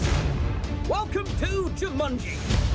selamat datang di jumanji